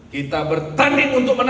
kita bertanding untuk menang